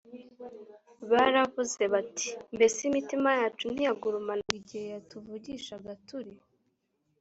baravuze bati mbese imitima yacu ntiyagurumanaga igihe yatuvugishaga turi